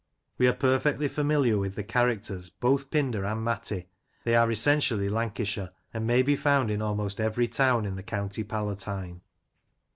We are perfectly familiar with the characters, both Pinder and Matty; they are essentially Lancashire, and may be found in almost every town in the County Ps^tine.